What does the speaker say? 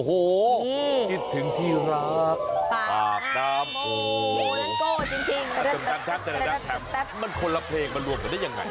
แป๊ปมันคนละเพลงมันรวมกันได้ยังไง